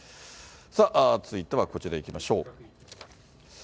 さあ、続いてはこちらいきましょう。